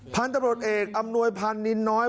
พันธุ์ตำรวจเอกอำนวยพันธ์นินน้อย